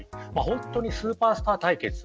本当にスーパースター対決。